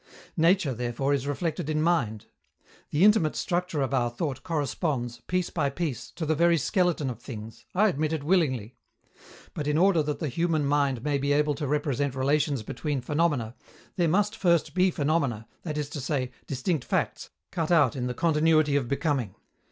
Nature, therefore, is reflected in mind. The intimate structure of our thought corresponds, piece by piece, to the very skeleton of things I admit it willingly; but, in order that the human mind may be able to represent relations between phenomena, there must first be phenomena, that is to say, distinct facts, cut out in the continuity of becoming.